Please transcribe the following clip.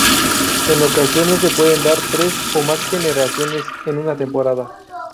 En ocasiones se pueden dar tres o más generaciones en una temporada.